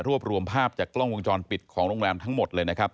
รวบรวมภาพจากกล้องวงจรปิดของโรงแรมทั้งหมดเลยนะครับ